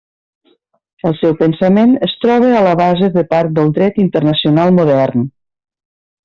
El seu pensament es troba a la base de part del dret internacional modern.